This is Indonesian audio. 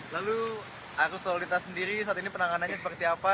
lalu arus solilintas sendiri saat ini penanganannya seperti apa